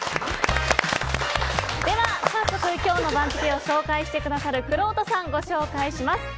早速、今日の番付を紹介してくださるくろうとさん、ご紹介します。